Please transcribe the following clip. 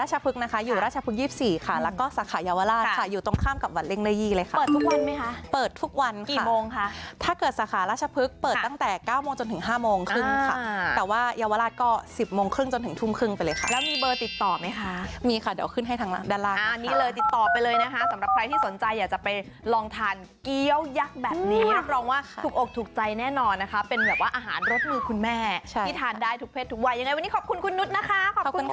ราชภึกนะคะอยู่ราชภึก๒๔ค่ะแล้วก็สาขายาวราชค่ะอยู่ตรงข้ามกับหวัดเล่นได้ยี่เลยค่ะเปิดทุกวันไหมคะเปิดทุกวันค่ะกี่โมงคะถ้าเกิดสาขาราชภึกเปิดตั้งแต่๙โมงจนถึง๕โมงครึ่งค่ะแต่ว่ายาวราชก็๑๐โมงครึ่งจนถึงทุ่มครึ่งไปเลยค่ะแล้วมีเบอร์ติดต่อไหมคะมีค่ะเดี๋ยวขึ้นให้ทางด้าน